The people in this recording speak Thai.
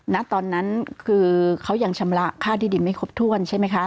ณตอนนั้นคือเขายังชำระค่าที่ดินไม่ครบถ้วนใช่ไหมคะ